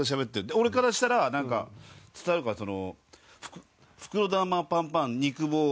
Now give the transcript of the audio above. で俺からしたらなんか伝わるか袋玉パンパン肉棒垂直